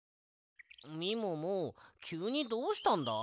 みももきゅうにどうしたんだ？